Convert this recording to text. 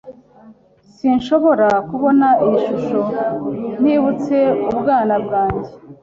Sinshobora kubona iyi shusho ntibutse ubwana bwanjye.